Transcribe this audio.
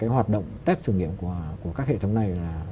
hoạt động test thử nghiệm của các hệ thống này là